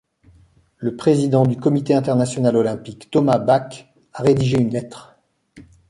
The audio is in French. Le président du Comité international olympique Thomas Bach a rédigé une lettre.